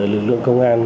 lực lượng công an